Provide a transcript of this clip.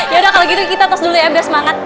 yaudah kalau gitu kita atas dulu ya beres semangat